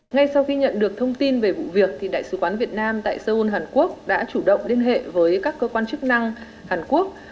ngay sau khi nhận được thông tin về vụ việc đại sứ quán việt nam tại seoul hàn quốc đã chủ động liên hệ với các cơ quan chức năng hàn quốc